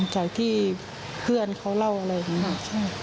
จากที่เพื่อนเขาเล่าอะไรอย่างนี้